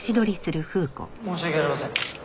申し訳ありません。